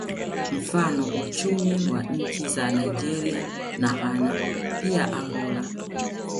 Mfano uchumi wa nchi za Nigeria na Ghana pia Angola